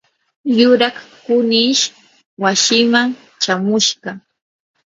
yuraq kunish wasiiman chamushqa.